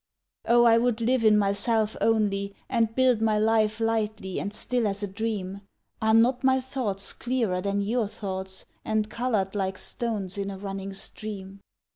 Oh I would live in myself only And build my life lightly and still as a dream Are not my thoughts clearer than your thoughts And colored like stones in a running stream?